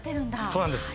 そうなんです。